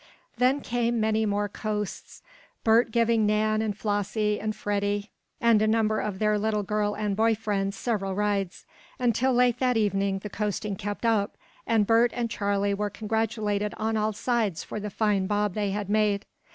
Then came many more coasts, Bert giving Nan and Flossie and Freddie, and a number of their little girl and boy friends, several rides. Until late that evening the coasting kept up, and Bert and Charley were congratulated on all sides for the fine bob they had made.